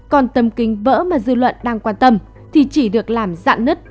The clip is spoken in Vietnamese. còn tấm kính vỡ mà dư luận đang quan tâm thì chỉ được làm dạn nứt